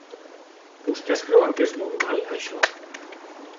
¿Vostès creuen que és normal, això?